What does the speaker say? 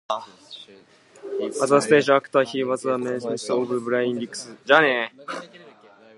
As a stage actor he was a mainstay of Brian Rix's Whitehall farces company.